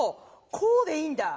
こうでいいんだ。